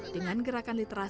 dengan gerakan literatif